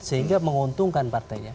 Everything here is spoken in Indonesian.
sehingga menguntungkan partainya